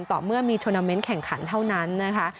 ต่อเมื่อมีโทรนาเมนต์แข่งขันเท่านั้นนะคะ